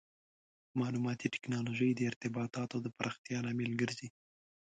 مالوماتي ټکنالوژي د ارتباطاتو د پراختیا لامل ګرځي.